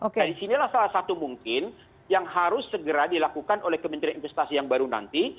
nah disinilah salah satu mungkin yang harus segera dilakukan oleh kementerian investasi yang baru nanti